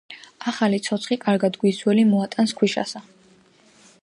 ახალი ცოცხი კარგად გვის, ძველი მოატანს ქვიშასა